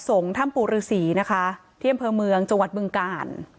สงฆ์ถ้ำปู่ฤษีนะคะเที่ยมเผลอเมืองจังหวัดบึงกาล